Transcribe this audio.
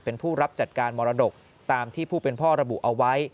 เป็นผู้รับจัดการมรดกตามที่ผู้เป็นพ่อระบุเอาไว้